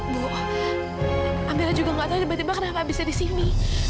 bu amira juga nggak tahu tiba tiba kenapa bisa di sini